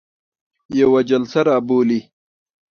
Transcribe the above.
یوه جلسه را بولي.